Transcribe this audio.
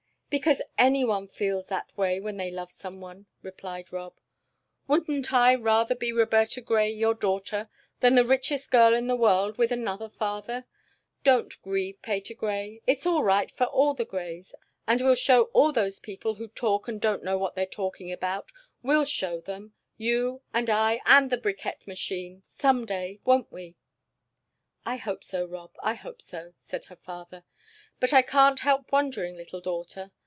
"Because anyone feels that way when they love someone," replied Rob. "Wouldn't I rather be Roberta Grey, your daughter, than the richest girl in the world with another father? Don't grieve, Patergrey. It's all right for all the Greys, and we'll show all those people who talk and don't know what they're talking about, we'll show them you and I and the bricquette machine some day, won't we?" "I hope so, Rob, I hope so," said her father. "But I can't help wondering, little daughter.